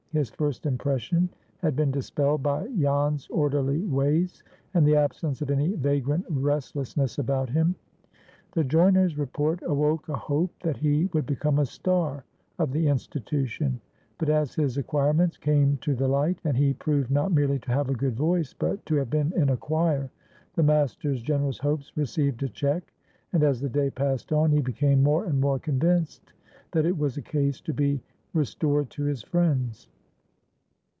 His first impression had been dispelled by Jan's orderly ways, and the absence of any vagrant restlessness about him. The joiner's report awoke a hope that he would become a star of the institution, but as his acquirements came to the light, and he proved not merely to have a good voice, but to have been in a choir, the master's generous hopes received a check, and as the day passed on he became more and more convinced that it was a case to be "restored to his friends."